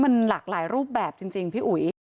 มันหลากหลายรูปแบบจริงพี่อุ๋ย